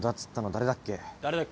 誰だっけ？